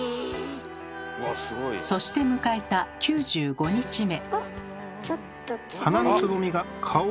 そして迎えた９５日目。